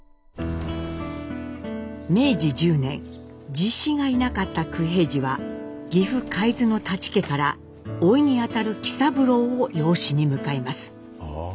実子がいなかった九平治は岐阜海津の舘家からおいにあたる喜三郎を養子に迎えます。